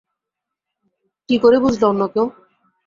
কি করে বুঝলা অন্য কেউ?